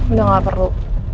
udah gak perlu